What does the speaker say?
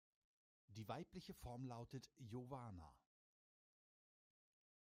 Die weibliche Form lautet Jovana.